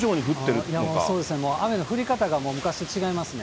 そうですね、もう雨の降り方が昔と違いますね。